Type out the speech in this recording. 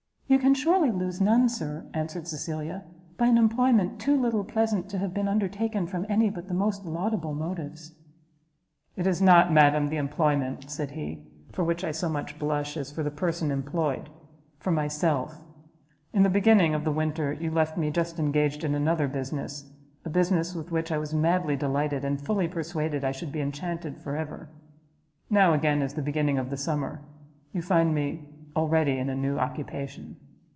"You can surely lose none, Sir," answered Cecilia, "by an employment too little pleasant to have been undertaken from any but the most laudable motives." "It is not, madam, the employment," said he, "for which I so much blush as for the person employed for myself! In the beginning of the winter you left me just engaged in another business, a business with which I was madly delighted, and fully persuaded I should be enchanted for ever; now, again, in the beginning of the summer, you find me, already, in a new occupation!"